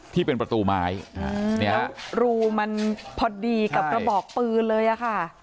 ที่เป็นประตูไม้เนี่ยรูมันพอดีกับกระบอกปืนเลยอะค่ะ